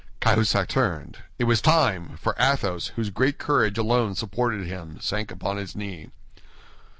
Cahusac turned. It was time; for Athos, whose great courage alone supported him, sank upon his knee.